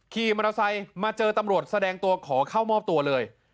ขี่มอเตอร์ไซค์มาเจอตำรวจแสดงตัวขอเข้ามอบตัวเลย